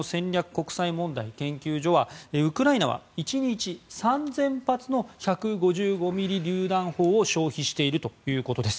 国際問題研究所はウクライナは１日３０００発の１５５ｍｍりゅう弾砲を消費しているということです。